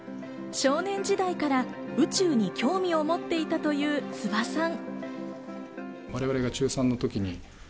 少年時代から宇宙に興味を持っていたという諏訪さん。